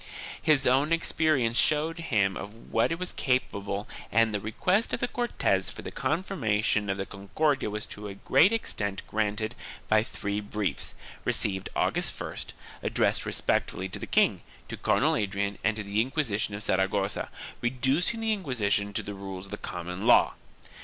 His own experience showed him of what it was capable and the request of the Cortes for the confirmation of the Concordia was to a great extent granted by three briefs, received August 1st, addressed respectively to the king, to Cardinal Adrian and to the Inquisitors of Saragossa, reducing the Inquisition to the rules of the common law.